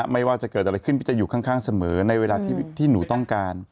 ไม่ว่าจะเกิดอะไรขึ้นพี่จะอยู่ข้างเสมอในเวลาที่หนูต้องการ